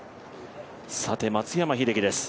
松山英樹です。